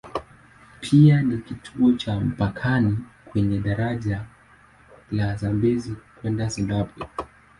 Pia ni kituo cha mpakani kwenye daraja la Zambezi kwenda Zimbabwe.